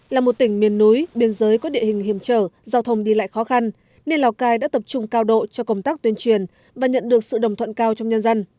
là một tỉnh miền núi biên giới có địa hình hiểm trở giao thông đi lại khó khăn nên lào cai đã tập trung cao độ cho công tác tuyên truyền và nhận được sự đồng thuận cao trong nhân dân